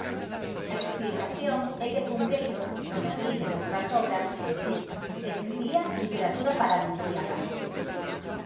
A explicación é que Cunqueiro, no Merlín e noutras obras, insisto, escribía literatura paradisíaca.